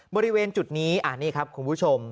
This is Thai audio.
บริเวณจุดนี้นี่ครับคุณผู้ชม